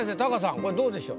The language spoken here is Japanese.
これどうでしょう？